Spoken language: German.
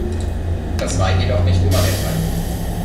Das war jedoch nicht immer der Fall.